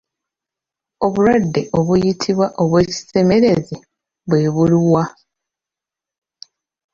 Obulwadde obuyitibwa obw'ekisemerezi bwe buluwa?